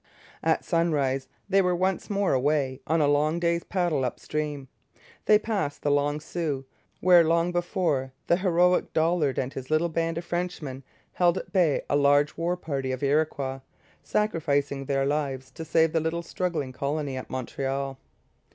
At sunrise they were once more away, on a long day's paddle up stream. They passed the Long Sault, where long before the heroic Dollard and his little band of Frenchmen held at bay a large war party of Iroquois sacrificing their lives to save the little struggling colony at Montreal.